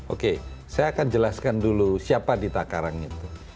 oke saya akan jelaskan dulu siapa dita karang itu